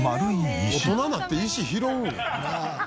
大人になって石拾うんや。